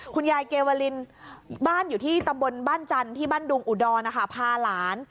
คุณยายเกวลินบ้านอยู่ที่ตำบลบ้านจันทร์ที่บ้านดุงอุดรนะคะพาหลาน